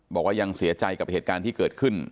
บอกว่ายังเสียใจกับเหตุการณ์ที่เกิดขึ้น